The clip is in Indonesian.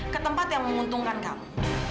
ketempat yang menguntungkan kamu